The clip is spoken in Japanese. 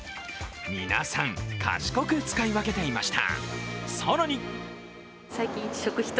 皆さん、賢く使い分けていました。